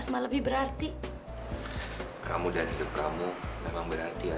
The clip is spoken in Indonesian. sampai jumpa di video selanjutnya